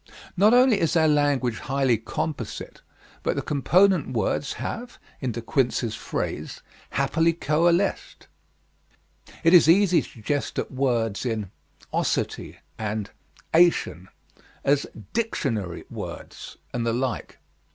Not only is our language highly composite, but the component words have, in De Quincey's phrase, 'happily coalesced.' It is easy to jest at words in _ osity_ and _ ation_, as 'dictionary' words, and the like.